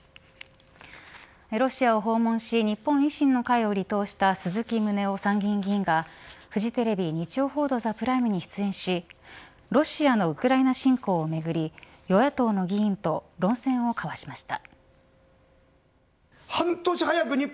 ロシアを訪問し日本維新の会を離党した鈴木宗男参議院議員がフジテレビ日曜報道ＴＨＥＰＲＩＭＥに出演しロシアのウクライナ侵攻をめぐり与野党の議員と論戦を交わしました。